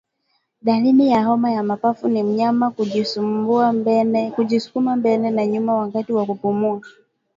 Dalili ya homa ya mapafu ni mnyama kujisukuma mbele na nyuma wakati wa kupumua